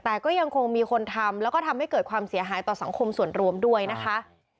แต่ก็ยังคงมีคนทำแล้วก็ทำให้เกิดความเสียหายต่อสังคมส่วนรวมด้วยนะคะ